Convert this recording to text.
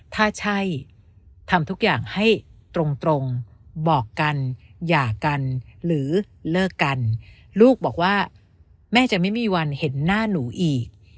ถ้าใช่ทำทุกอย่างให้ตรงบอกกันหย่ากันหรือเลิกกันลูกบอกว่าแม่จะไม่มีวันเห็นหน้าหนูอีก